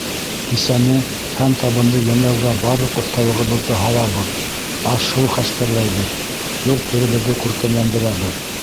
Кисәне һәм табынды йәмләүгә барлыҡ оҫталығыбыҙҙы һалабыҙ, аш-һыу хәстәрләйбеҙ, йорт-еребеҙҙе күркәмләндерәбеҙ.